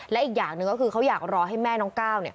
และอีกอย่างหนึ่งก็คือเขาอยากรอให้แม่น้องก้าว